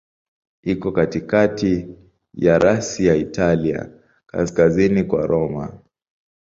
Iko katikati ya rasi ya Italia, kaskazini kwa Roma.